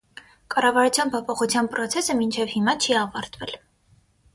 Կառավարության փոփոխության պրոցեսը մինչև հիմա չի ավարտվել։